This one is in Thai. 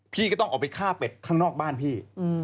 พี่ก็ต้องออกไปฆ่าเป็ดข้างนอกบ้านพี่